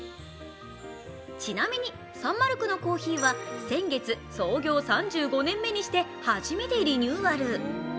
ちなみに、サンマルクのコーヒーは先月、創業３５年目にして初めてリニューアル。